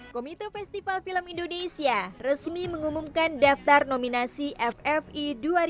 komite festival film indonesia resmi mengumumkan daftar nominasi ffi dua ribu dua puluh